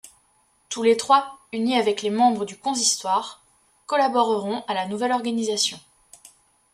Tous les trois, unis avec les membres du consistoire, collaboreront à la nouvelle organisation.